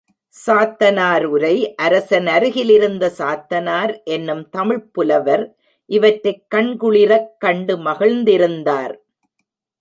சாத்தனார் உரை அரசன் அருகில் இருந்த சாத்தனார் என்னும் தமிழ்ப் புலவர் இவற்றைக் கண்குளிரக் கண்டு மகிழ்ந்திருந்தார்.